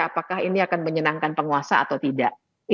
apakah ini akan menyenangkan penguasa atau tidak